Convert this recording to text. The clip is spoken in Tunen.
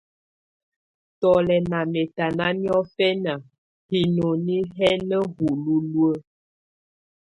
Tù lɛ̀ nà mɛ̀tana niɔfɛna hinoni hɛ̀ na hululuǝ́.